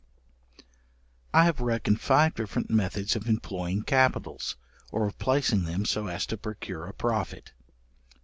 I have reckoned five different methods of employing capitals, or of placing them so as to procure a profit.